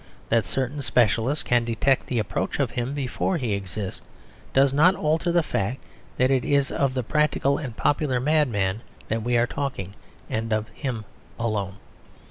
That certain specialists can detect the approach of him, before he exists, does not alter the fact that it is of the practical and popular madman that we are talking, and of him alone.